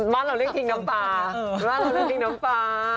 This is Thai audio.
ว่าเราเรียกพริกน้ำปลา